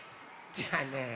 じゃあね